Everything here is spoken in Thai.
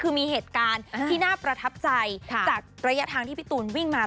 คือมีเหตุการณ์ที่น่าประทับใจจากระยะทางที่พี่ตูนวิ่งมา